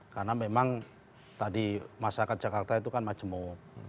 karena memang tadi masyarakat jakarta itu kan majemuk